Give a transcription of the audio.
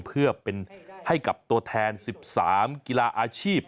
เพื่อเป็นให้กับตัวแทน๑๓กีฬาอาชีพ